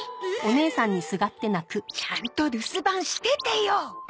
ちゃんと留守番しててよ！